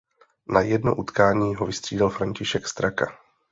Na jedno utkání ho vystřídal František Straka.